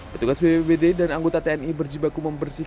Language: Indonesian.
petugas bbbd dan anggota tni berjibaku membersihkan material pohon